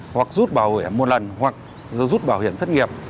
hoặc rút bảo hiểm một lần hoặc rút bảo hiểm thất nghiệp